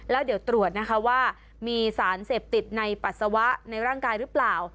แล้วเดี๋ยวตรวจนะคะว่ามีสารเสพติดในปัสสาวะในร่างกายหรือเปล่า